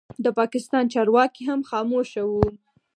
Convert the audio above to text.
د پاکستان چارواکي هم خاموشه وو.